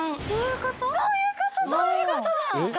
そういうことだ！